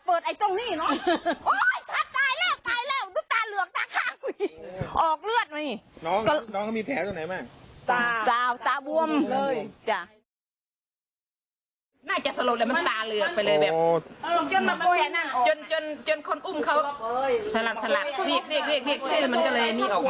พอขาวนี่ได้เสร็จทีนี้มันร้องแล้วเลือกกันไหลออกมาเนาะ